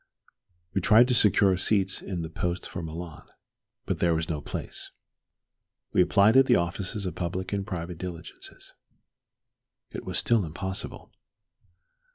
We tried to secure seats in the post for Milan. There was no place. We applied at the offices of public and private diligences. It was still impossible.